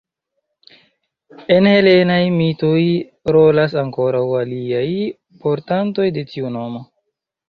En helenaj mitoj rolas ankoraŭ aliaj portantoj de tiu nomo.